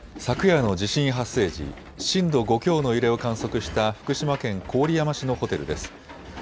昨夜の地震発生時、震度５強の揺れを観測した福島県郡山市のホテルです。